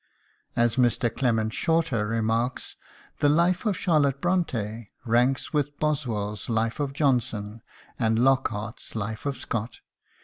As Mr. Clement Shorter remarks, the "Life of Charlotte Bront├½" "ranks with Boswell's 'Life of Johnson' and Lockhart's 'Life of Scott.'"